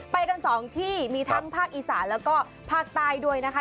ไปกันสองที่มีทั้งภาคอีสานแล้วก็ภาคใต้ด้วยนะคะ